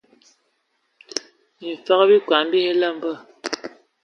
Mimfas mi okɔn a biləmbə.